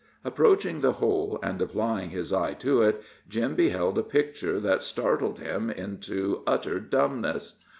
Approaching the hole and applying his eye to it, Jim beheld a picture that startled him into utter dumbness.